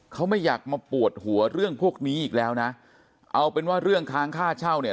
เขาไม่อยากมาปวดหัวเรื่องพวกนี้อีกแล้วนะเอาเป็นว่าเรื่องค้างค่าเช่าเนี่ย